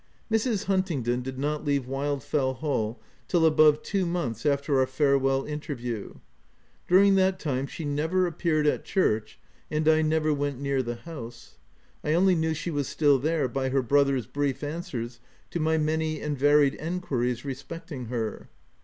Mrs. Huntingdon did not leave Wildfell Hall till above two months after our farewell inter view. During that time she never appeared at church, and I never went near the house : 1 only knew she was still there by her brother's brief answers to my many and varied enquiries respecting her.